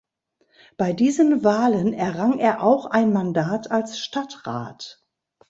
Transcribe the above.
Bei diesen Wahlen errang er auch ein Mandat als Stadtrat.